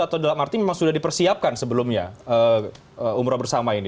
atau dalam arti memang sudah dipersiapkan sebelumnya umroh bersama ini